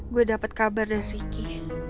gue dapet kabar dari riki